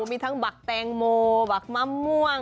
มีทั้งบักแตงโมบักมะม่วง